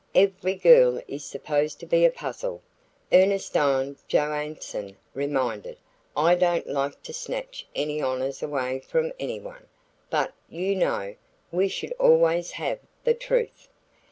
"Every girl is supposed to be a puzzle," Ernestine Johanson reminded. "I don't like to snatch any honors away from anyone, but, you know, we should always have the truth."